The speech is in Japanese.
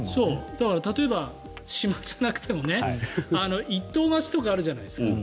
だから、例えば島じゃなくてもね１棟貸しとかあるじゃないですか。